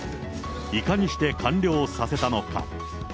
いかにして完了させたのか。